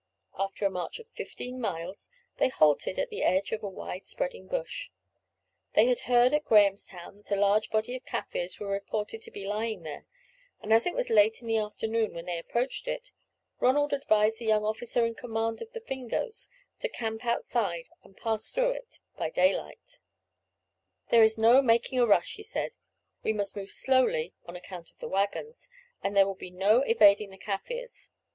After a march of fifteen miles they halted at the edge of a wide spreading bush. They had heard at Grahamstown that a large body of Kaffirs were reported to be lying there, and as it was late in the afternoon when they approached it, Ronald advised the young officer in command of the Fingoes to camp outside and pass through it by daylight. [Illustration: "The greatest caution was observed in their passage through the great Addoo Bush."] "There is no making a rush," he said; "we must move slowly on account of the waggons, and there will be no evading the Kaffirs.